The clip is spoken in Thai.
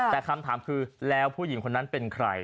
แต่คำถามคือแล้วผู้หญิงคนนั้นเป็นใคร